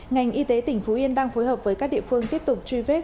ngành y tế tỉnh phú yên đang phối hợp với các địa phương tiếp tục truy vết